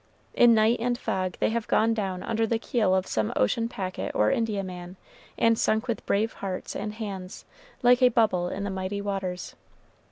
In night and fog they have gone down under the keel of some ocean packet or Indiaman, and sunk with brave hearts and hands, like a bubble in the mighty waters.